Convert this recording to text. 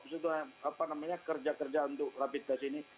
sudah apa namanya kerja kerja untuk rapid test ini